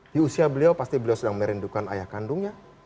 di usia beliau pasti beliau sedang merindukan ayah kandungnya